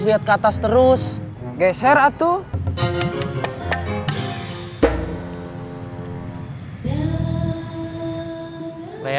tapi jangan terlalu lama